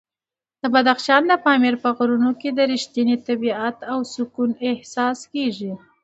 د بدخشان د پامیر په غرونو کې د رښتیني طبیعت او سکون احساس کېږي.